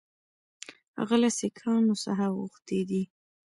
هغه له سیکهانو څخه غوښتي دي.